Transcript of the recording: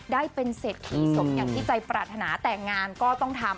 ได้เป็นเศรษฐีสมอย่างที่ใจปรารถนาแต่งานก็ต้องทำ